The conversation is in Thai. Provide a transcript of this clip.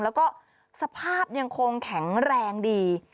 แล้วก็สภาพยังคงแข็งแรงดี